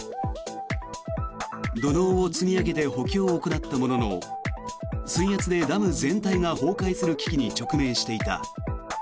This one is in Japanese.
土のうを積み上げて補強を行ったものの水圧でダム全体が崩壊する危機に直面していた。